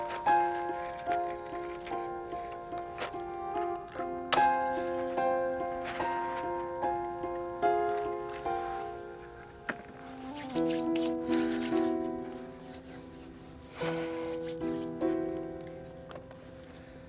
anda keadaan ke tidak lebih baik